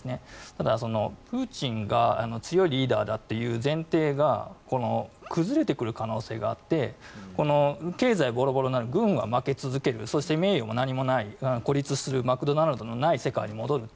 ただ、プーチンが強いリーダーという前提が崩れてくる可能性があって経済がボロボロになる軍も負け続ける、名誉も何もない孤立するマクドナルドのない世界に戻る。